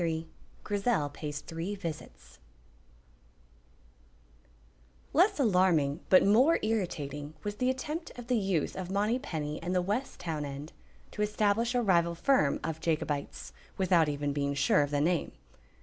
CHAPTER XXIII GRIZEL PAYS THREE VISITS Less alarming but more irritating was the attempt of the youth of Monypenny and the West town end, to establish a rival firm of Jacobites (without even being sure of the name).